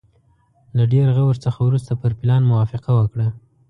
له ډېر غور څخه وروسته پر پلان موافقه وکړه.